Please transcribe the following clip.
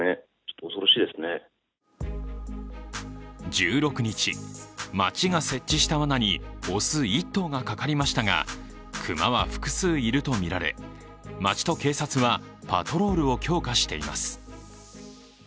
１６日、町が設置したわなにオス１頭がかかりましたが熊は複数いるとみられ町と警察はパトロールを強化しています。